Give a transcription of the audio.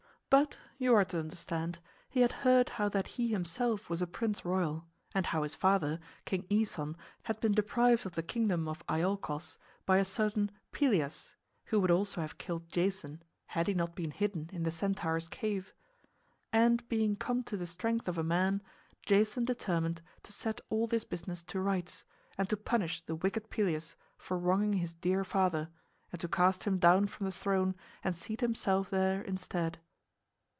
But, you are to understand, he had heard how that he himself was a prince royal, and how his father, King Æson, had been deprived of the kingdom of Iolchos by a certain Pelias, who would also have killed Jason had he not been hidden in the Centaur's cave. And being come to the strength of a man, Jason determined to set all this business to rights and to punish the wicked Pelias for wronging his dear father, and to cast him down from the throne and seat himself there instead.